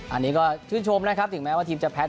อันนี้ก็ชื่นชมนะครับถึงแม้ว่าทีมจะแพ้